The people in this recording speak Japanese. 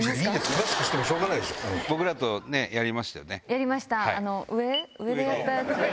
やりました。